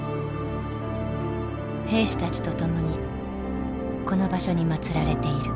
兵士たちと共にこの場所に祀られている。